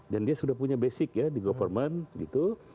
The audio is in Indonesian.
dan dia sudah punya basic ya di government gitu